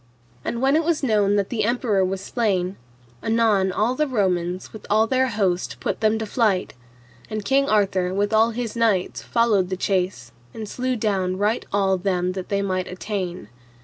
And when it was known that the emperor was slain, anon all the Romans with all their host put them to flight, and King Arthur with all his knights followed the chase, and slew down right all them that they might attain.